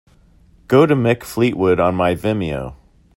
Go to Mick Fleetwood on my Vimeo